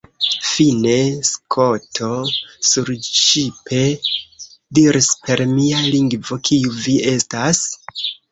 Fine, Skoto surŝipe diris per mia lingvo, “Kiu vi estas? »